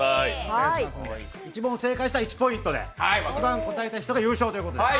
１問正解したら１ポイントで一番正解したら優勝ということです。